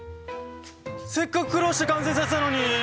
せっかく苦労して完成させたのに！